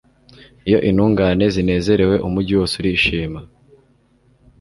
iyo intungane zinezerewe, umugi wose urishima